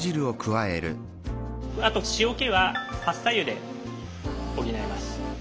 あと塩気はパスタ湯で補います。